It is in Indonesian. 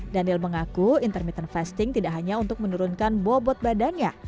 daniel mengaku intermittent fasting tidak hanya untuk menurunkan bobot badannya